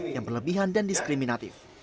yang berlebihan dan diskriminatif